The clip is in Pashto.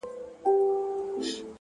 د لرې غره لید د سترګو ستړیا کموي!.